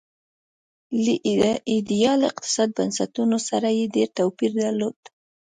له ایډیال اقتصادي بنسټونو سره یې ډېر توپیر درلود.